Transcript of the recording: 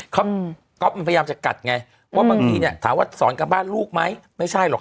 ก๊อฟมันพยายามจะกัดไงว่าบางทีเนี่ยถามว่าสอนกลับบ้านลูกไหมไม่ใช่หรอก